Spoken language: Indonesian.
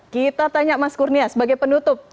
kita tanya mas kurnia sebagai penutup